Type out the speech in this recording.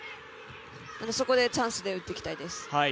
そこでチャンスで打っていきたいです。